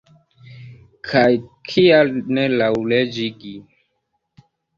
Kaj kial ne laŭleĝigi?